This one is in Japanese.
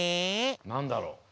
なんだろう？